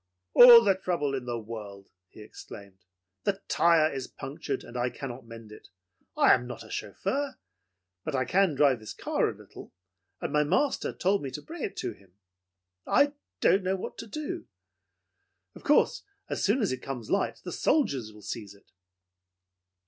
"All the trouble in the world!" he exclaimed. "The tire is punctured, and I cannot mend it. I am not a chauffeur, but I can drive this car a little, and my master told me to bring it to him. I don't know what to do. Of course, as soon as it comes light the soldiers will seize it."